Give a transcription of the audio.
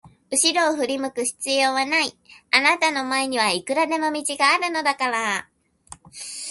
うしろを振り向く必要はない、あなたの前にはいくらでも道があるのだから。